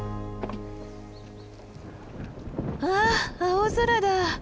わあ青空だ。